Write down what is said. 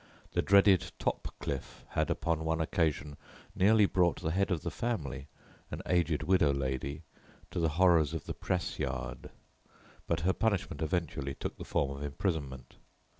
The dreaded Topcliffe had upon one occasion nearly brought the head of the family, an aged widow lady, to the horrors of the press yard, but her punishment eventually took the form of imprisonment.